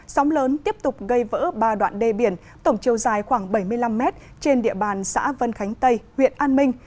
sóng lớn tiếp tục gây vỡ ba đoạn đê biển tổng chiều dài khoảng bảy mươi năm mét trên địa bàn xã vân khánh tây huyện an minh